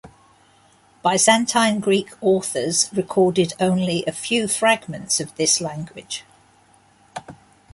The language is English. Byzantine Greek authors recorded only a few fragments of this language.